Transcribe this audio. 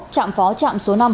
trạm phó trạm số năm